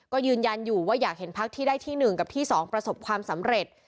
ก็ยืนยันอยู่ว่าอยากเห็นพักที่ได้ที่๑กับที่๒ประสบความสำเร็จ